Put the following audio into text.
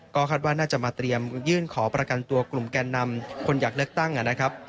ก็คาดว่าน่าจะมาเตรียมยื่นขอประกันตัวกลุ่มแกนนำคนอยากเลือกตั้งนะครับ